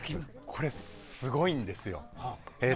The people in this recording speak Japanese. これ、すごいんですよ。